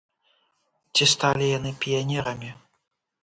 Ці сталі яны піянерамі?